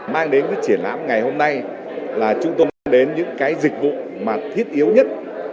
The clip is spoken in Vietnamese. mang đến cái triển lãm ngày hôm nay là chúng tôi mang đến những cái dịch vụ mà thiết yếu nhất